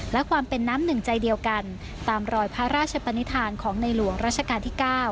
และความเป็นน้ำหนึ่งใจเดียวกันตามรอยพระราชปนิษฐานของในหลวงราชการที่๙